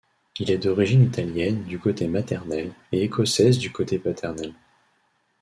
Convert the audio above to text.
Il est d'origine italienne du côté maternel et écossaise du côté paternel.